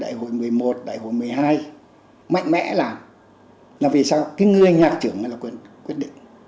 đại hội một mươi một đại hội một mươi hai mạnh mẽ là là vì sao cái người nhạc trưởng là quyết định